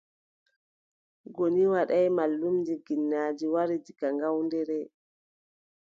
Goni Wadaay, mallumjo ginnaaji wari diga Ngawdere.